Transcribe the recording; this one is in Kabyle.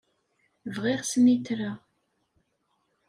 Bɣiɣ snitra.